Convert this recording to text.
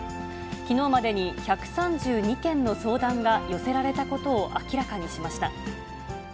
きのうまでに１３２件の相談が寄せられたことを明らかにしました。